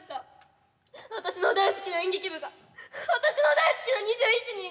私の大好きな演劇部が私の大好きな２１人が。